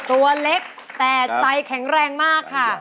ตัวเล็กแต่ใจแข็งแรงมากค่ะ